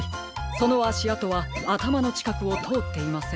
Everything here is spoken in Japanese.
そのあしあとはあたまのちかくをとおっていません。